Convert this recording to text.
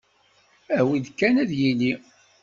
Awi-d kan ad yili!